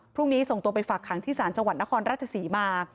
พรุ่งนี้ส่งตัวไปฝากขังที่ศาลจังหวัดนครราชศรีมา